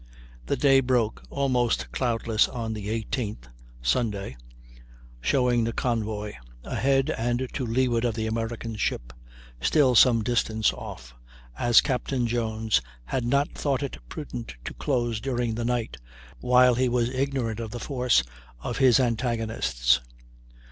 The day broke almost cloudless on the 18th (Sunday), showing the convoy, ahead and to leeward of the American ship, still some distance off, as Captain Jones had not thought it prudent to close during the night, while he was ignorant of the force of his antagonists.